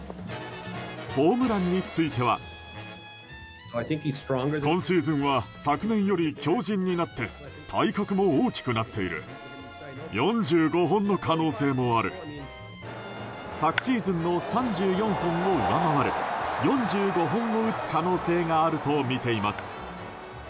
ホームランについては。昨シーズンの３４本を上回る４５本を打つ可能性があるとみています。